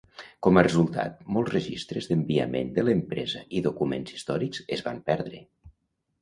Com a resultat molts registres d'enviament de l'empresa i documents històrics es van perdre.